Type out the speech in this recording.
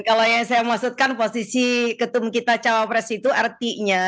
kalau yang saya maksudkan posisi ketum kita cawapres itu artinya